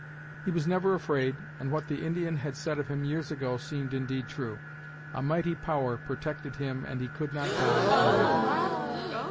He was never afraid and what the Indian had said of him years ago seemed indeed true. "A mighty Power protected him and he could not die in battle!"